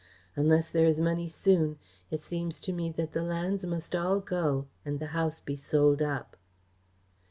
Unless there is money soon, it seems to me that the lands must all go, and the house be sold up."